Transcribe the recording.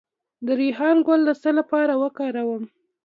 د ریحان ګل د څه لپاره وکاروم؟